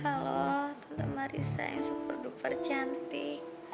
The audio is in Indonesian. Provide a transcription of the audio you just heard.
halo tante marissa yang super duper cantik